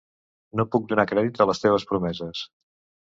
No puc donar crèdit a les teves promeses.